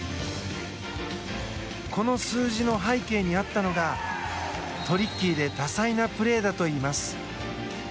この数字の背景にあったのがトリッキーで多彩なプレーだといいます。